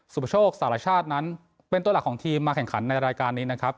ประโชคสารชาตินั้นเป็นตัวหลักของทีมมาแข่งขันในรายการนี้นะครับ